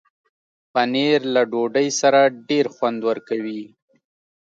پنېر له ډوډۍ سره ډېر خوند ورکوي.